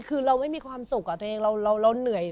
คือเราไม่มีความสุขกับตัวเองเราเหนื่อย